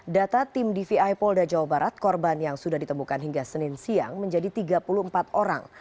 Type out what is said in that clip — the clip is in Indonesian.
data tim dvi polda jawa barat korban yang sudah ditemukan hingga senin siang menjadi tiga puluh empat orang